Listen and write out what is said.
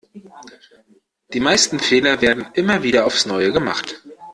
Die meisten Fehler werden immer wieder aufs Neue gemacht.